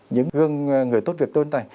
những người tốt việc tôn tài